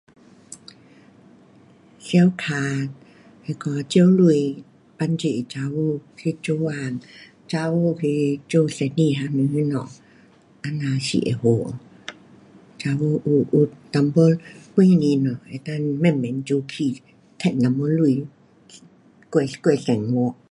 [unintelligible] 那个借钱帮助女孩去做工，女孩去做生意还是什么，这样是会好喔。女孩有，有一点本钱了，能够慢慢做起，赚一点钱，过，过生活。